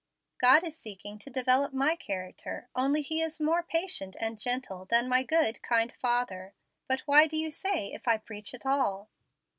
God is seeking to develop my character; only He is more patient and gentle than my good, kind father. But why do you say, 'If I preach at all'?"